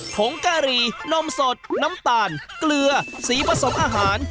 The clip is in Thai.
ผงกะหรี่นมสดน้ำตาลเกลือสีผสมอาหาร